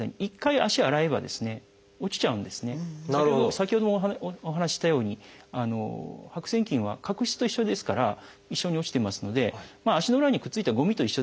先ほどもお話ししたように白癬菌は角質と一緒ですから一緒に落ちてますので足の裏にくっついたごみと一緒です。